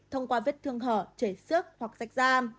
thông qua vết thương hở chảy xước hoặc sạch da